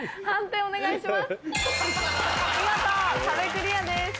判定お願いします。